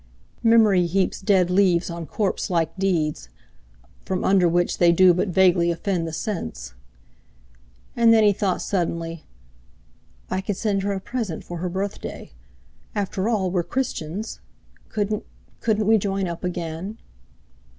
Memory heaps dead leaves on corpse like deeds, from under which they do but vaguely offend the sense. And then he thought suddenly: "I could send her a present for her birthday. After all, we're Christians! Couldn't!—couldn't we join up again!"